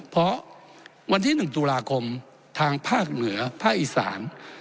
เพราะวันที่๑ตุลาคมทางภาคเหนือภาคอีสาน